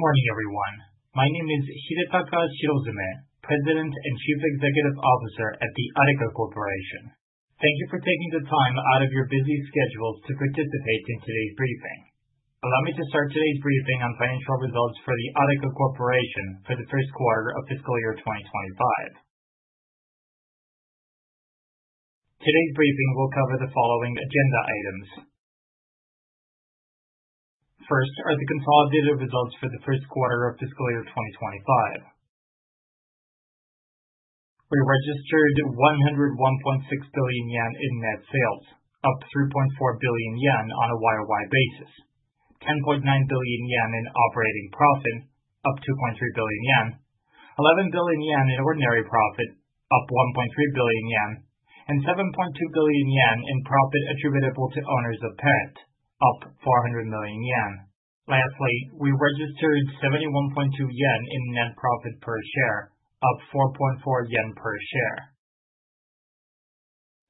Good morning, everyone. My name is Hidetaka Shirozume, President and Chief Executive Officer at the Adeka Corporation. Thank you for taking the time out of your busy schedules to participate in today's briefing. Allow me to start today's briefing on financial results for the Adeka Corporation for the Q1 of fiscal year 2025. Today's briefing will cover the following agenda items. First are the consolidated results for the Q1 of fiscal year 2025. We registered 101.6 billion yen in net sales, up 3.4 billion yen on a YOY basis. 10.9 billion yen in operating profit, up 2.3 billion yen. 11 billion yen in ordinary profit, up 1.3 billion yen. 7.2 Billion yen in profit attributable to owners of parent, up 400 million yen. Lastly, we registered 71.2 yen in net profit per share, up 4.4 yen per share.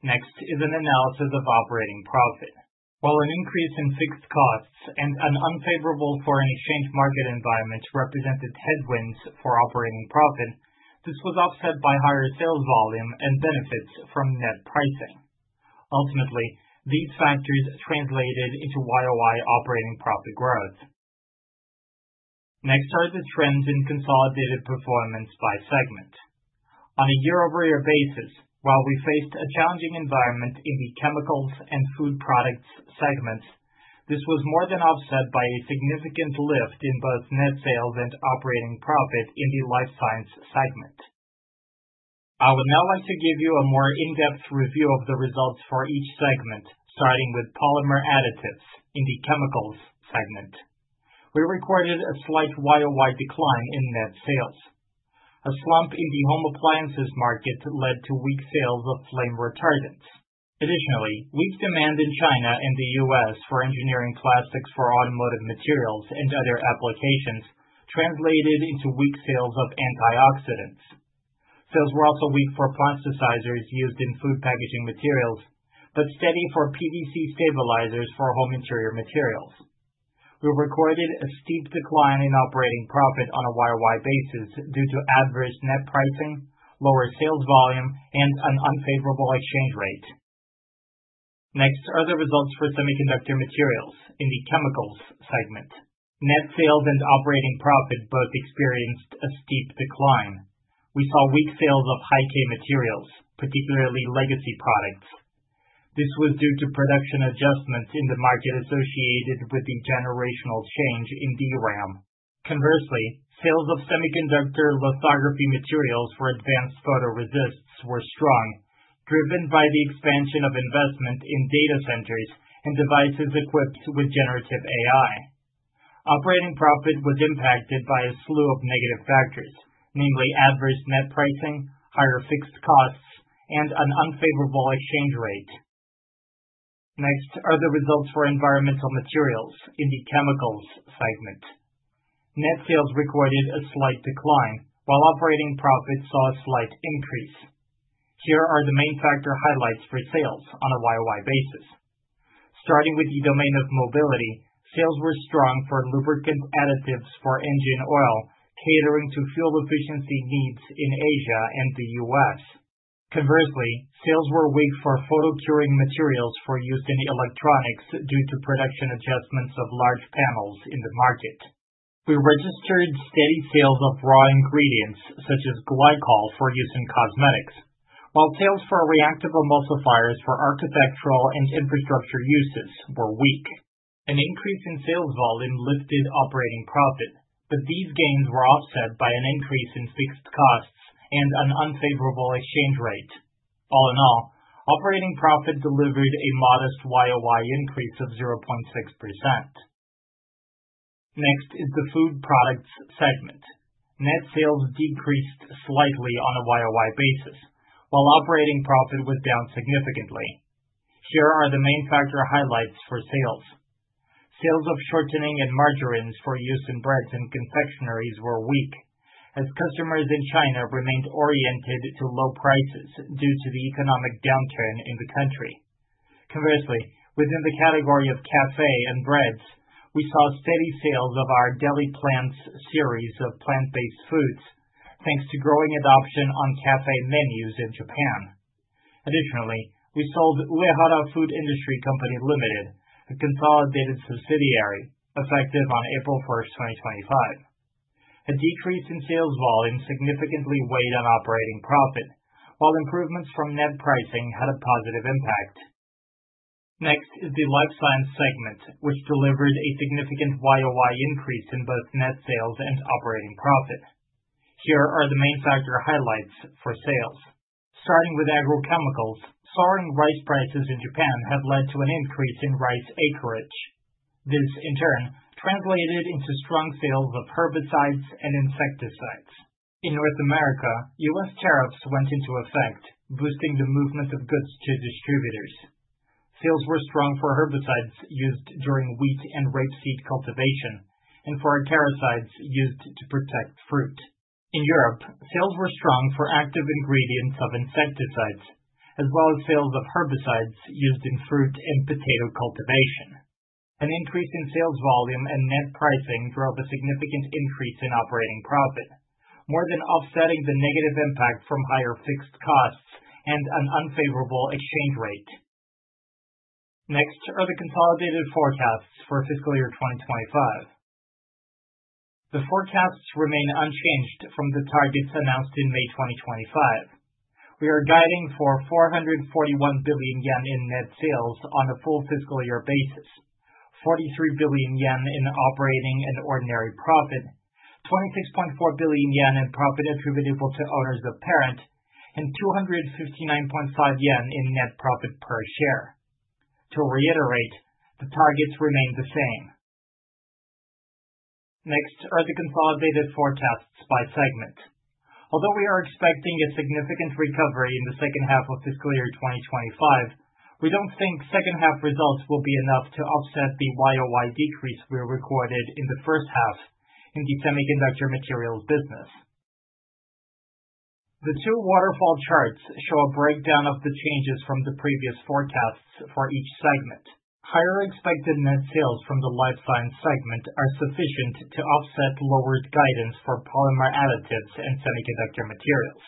Next is an analysis of operating profit. While an increase in fixed costs and an unfavorable foreign exchange market environment represented headwinds for operating profit, this was offset by higher sales volume and benefits from net pricing. Ultimately, these factors translated into YOY operating profit growth. Next are the trends in consolidated performance by segment. On a year-over-year basis, while we faced a challenging environment in the chemicals and food products segments, this was more than offset by a significant lift in both net sales and operating profit in the life science segment. I would now like to give you a more in-depth review of the results for each segment, starting with polymer additives in the chemicals segment. We recorded a slight YOY decline in net sales. A slump in the home appliances market led to weak sales of flame retardants. Additionally, weak demand in China and the U.S. for engineering plastics for automotive materials and other applications translated into weak sales of antioxidants. Sales were also weak for plasticizers used in food packaging materials, but steady for PVC stabilizers for home interior materials. We recorded a steep decline in operating profit on a YOY basis due to adverse net pricing, lower sales volume, and an unfavorable exchange rate. Next are the results for semiconductor materials in the chemicals segment. Net sales and operating profit both experienced a steep decline. We saw weak sales of high-K materials, particularly legacy products. This was due to production adjustments in the market associated with the generational change in DRAM. Conversely, sales of semiconductor lithography materials for advanced photoresists were strong, driven by the expansion of investment in data centers and devices equipped with generative AI. Operating profit was impacted by a slew of negative factors, namely adverse net pricing, higher fixed costs, and an unfavorable exchange rate. Next are the results for environmental materials in the chemicals segment. Net sales recorded a slight decline while operating profit saw a slight increase. Here are the main factor highlights for sales on a YOY basis. Starting with the domain of mobility, sales were strong for lubricant additives for engine oil, catering to fuel efficiency needs in Asia and the U.S. Conversely, sales were weak for photo curing materials for use in electronics due to production adjustments of large panels in the market. We registered steady sales of raw ingredients such as glycol for use in cosmetics, while sales for reactive emulsifiers for architectural and infrastructure uses were weak. An increase in sales volume lifted operating profit, but these gains were offset by an increase in fixed costs and an unfavorable exchange rate. All in all, operating profit delivered a modest YOY increase of 0.6%. Next is the food products segment. Net sales decreased slightly on a YOY basis while operating profit was down significantly. Here are the main factor highlights for sales. Sales of shortening and margarines for use in breads and confectioneries were weak as customers in China remained oriented to low prices due to the economic downturn in the country. Conversely, within the category of cafe and breads, we saw steady sales of our Deli-PLANTS series of plant-based foods, thanks to growing adoption on cafe menus in Japan. Additionally, we sold Uehara Foods Industry Co., Ltd., a consolidated subsidiary, effective on April 1, 2025. A decrease in sales volume significantly weighed on operating profit, while improvements from net pricing had a positive impact. Next is the life science segment, which delivered a significant YOY increase in both net sales and operating profit. Here are the main factor highlights for sales. Starting with agrochemicals, soaring rice prices in Japan have led to an increase in rice acreage. This, in turn, translated into strong sales of herbicides and insecticides. In North America, US tariffs went into effect, boosting the movement of goods to distributors. Sales were strong for herbicides used during wheat and rapeseed cultivation and for fungicides used to protect fruit. In Europe, sales were strong for active ingredients of insecticides as well as sales of herbicides used in fruit and potato cultivation. An increase in sales volume and net pricing drove a significant increase in operating profit, more than offsetting the negative impact from higher fixed costs and an unfavorable exchange rate. Next are the consolidated forecasts for fiscal year 2025. The forecasts remain unchanged from the targets announced in May 2025. We are guiding for 441 billion yen in net sales on a full fiscal year basis, 43 billion yen in operating and ordinary profit, 26.4 billion yen in profit attributable to owners of parent, and 259.5 yen in net profit per share. To reiterate, the targets remain the same. Next are the consolidated forecasts by segment. Although we are expecting a significant recovery in the second half of fiscal year 2025, we don't think second half results will be enough to offset the YOY decrease we recorded in the first half in the semiconductor materials business. The two waterfall charts show a breakdown of the changes from the previous forecasts for each segment. Higher expected net sales from the Life Science segment are sufficient to offset lower guidance for polymer additives and semiconductor materials.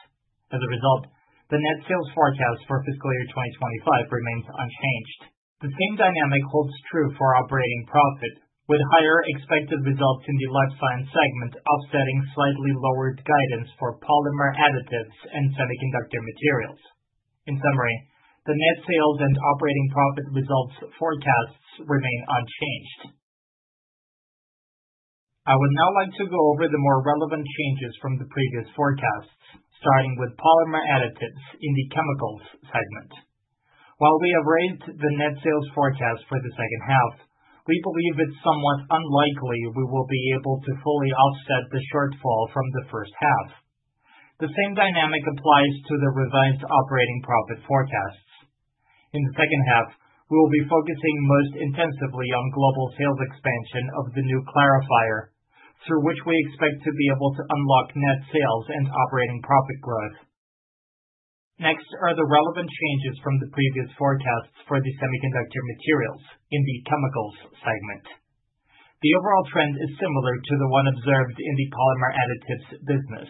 As a result, the net sales forecast for fiscal year 2025 remains unchanged. The same dynamic holds true for operating profit, with higher expected results in the Life Science segment offsetting slightly lower guidance for polymer additives and semiconductor materials. In summary, the net sales and operating profit results forecasts remain unchanged. I would now like to go over the more relevant changes from the previous forecasts, starting with polymer additives in the Chemicals segment. While we have raised the net sales forecast for the second half, we believe it's somewhat unlikely we will be able to fully offset the shortfall from the first half. The same dynamic applies to the revised operating profit forecasts. In the second half, we will be focusing most intensively on global sales expansion of the new clarifier, through which we expect to be able to unlock net sales and operating profit growth. Next are the relevant changes from the previous forecasts for the semiconductor materials in the Chemicals segment. The overall trend is similar to the one observed in the polymer additives business.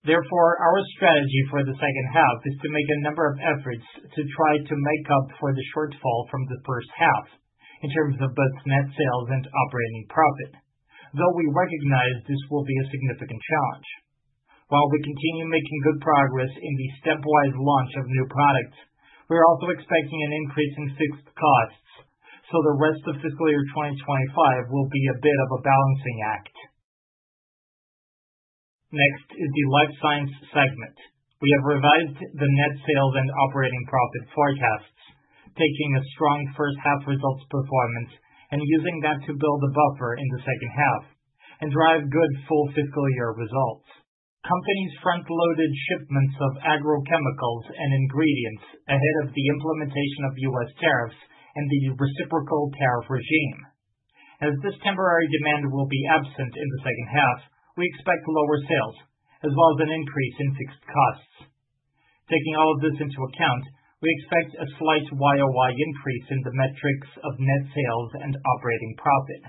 Therefore, our strategy for the second half is to make a number of efforts to try to make up for the shortfall from the first half in terms of both net sales and operating profit, though we recognize this will be a significant challenge. While we continue making good progress in the stepwise launch of new products, we are also expecting an increase in fixed costs, so the rest of fiscal year 2025 will be a bit of a balancing act. Next is the Life Science segment. We have revised the net sales and operating profit forecasts, taking a strong first-half results performance and using that to build a buffer in the second half and drive good full fiscal year results. Companies front-loaded shipments of agrochemicals and ingredients ahead of the implementation of U.S. tariffs and the reciprocal tariff regime. As this temporary demand will be absent in the second half, we expect lower sales as well as an increase in fixed costs. Taking all of this into account, we expect a slight YOY increase in the metrics of net sales and operating profit.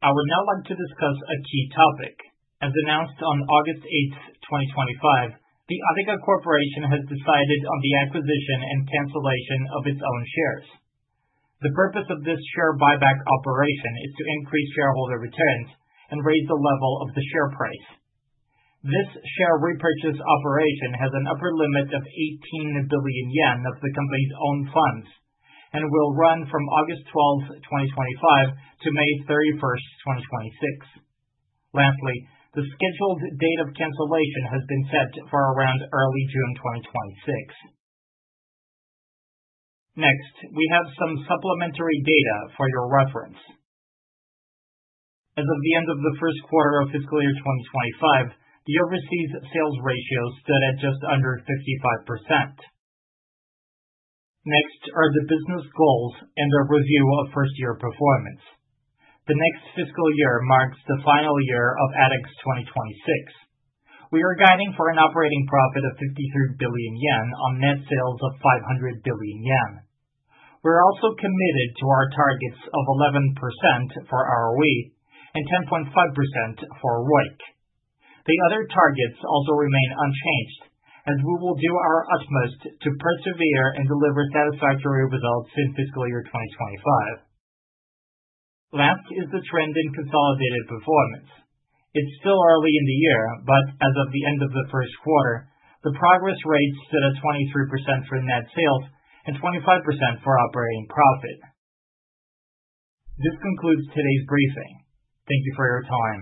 I would now like to discuss a key topic. As announced on August 8, 2025, the Adeka Corporation has decided on the acquisition and cancellation of its own shares. The purpose of this share buyback operation is to increase shareholder returns and raise the level of the share price. This share repurchase operation has an upper limit of 18 billion yen of the company's own funds and will run from August 12, 2025 to May 31, 2026. Lastly, the scheduled date of cancellation has been set for around early June, 2026. Next, we have some supplementary data for your reference. As of the end of the Q1 of fiscal year 2025, the overseas sales ratio stood at just under 55%. Next are the business goals and a review of first year performance. The next fiscal year marks the final year of ADX 2026. We are guiding for an operating profit of 53 billion yen on net sales of 500 billion yen. We are also committed to our targets of 11% for ROE and 10.5% for ROIC. The other targets also remain unchanged, and we will do our utmost to persevere and deliver satisfactory results in fiscal year 2025. Last is the trend in consolidated performance. It's still early in the year, but as of the end of the Q1, the progress rate stood at 23% for net sales and 25% for operating profit. This concludes today's briefing. Thank you for your time.